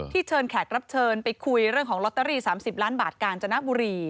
เชิญแขกรับเชิญไปคุยเรื่องของลอตเตอรี่๓๐ล้านบาทกาญจนบุรี